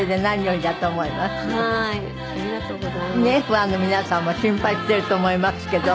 ファンの皆さんも心配していると思いますけど。